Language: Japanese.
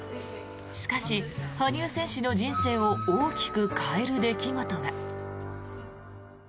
しかし、羽生選手の人生を大きく変える出来事が。